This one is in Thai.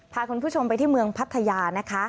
พาคุณผู้ชมไปที่เมืองพัทยานะคะ